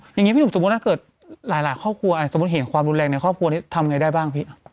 อย่างงี้พี่ฝุ่มสมมุติถ้าเกิดหลายความรุนแรงในความความแล็งที่ทำยังไงบ้างพี่